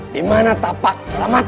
dimana tapak alamat